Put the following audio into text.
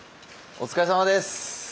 お疲れさまです。